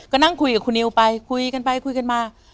ก็นั่งคุยกับคุณนิวไปคุยกันไปคุยกันมา